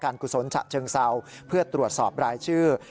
กุศลฉะเชิงเซาเพื่อตรวจสอบรายชื่อ